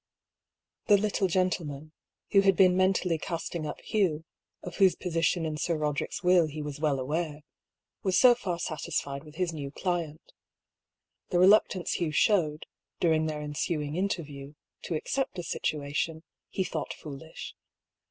The little gentleman, who had been mentally casting up Hugh, of whose position in Sir Koderick's will he was well aware, was so far satisfied with his new client. The reluctance Hugh showed, during their ensuing interview, to accept the situation, he thought foolish.